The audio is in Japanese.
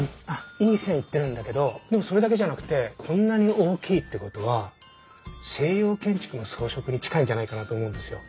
いい線いってるんだけどでもそれだけじゃなくてこんなに大きいってことは西洋建築の装飾に近いんじゃないかなと思うんですよ。